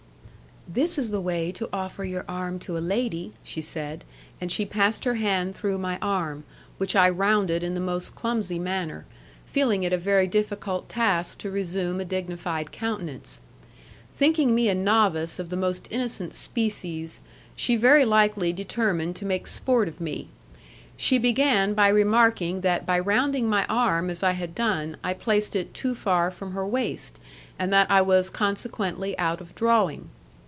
"This is the way to offer your arm to a lady," she said, and she passed her hand through my arm, which I rounded in the most clumsy manner, feeling it a very difficult task to resume a dignified countenance. Thinking me a novice of the most innocent species, she very likely determined to make sport of me. She began by remarking that by rounding my arm as I had done I placed it too far from her waist, and that I was consequently out of drawing.